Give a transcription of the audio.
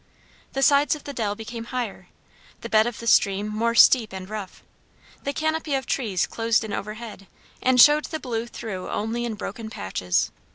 The sides of the dell became higher; the bed of the stream more steep and rough; the canopy of trees closed in overhead, and showed the blue through only in broken patches.